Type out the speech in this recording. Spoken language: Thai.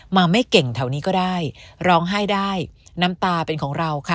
ไม่เก่งแถวนี้ก็ได้ร้องไห้ได้น้ำตาเป็นของเราค่ะ